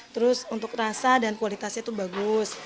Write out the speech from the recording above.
terus untuk rasa dan kualitasnya tuh bagus